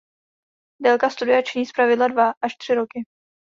Délka studia činí zpravidla dva až tři roky.